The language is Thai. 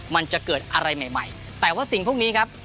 มันจะเกิดอะไรใหม่ใหม่แต่ว่าสิ่งพวกนี้ครับ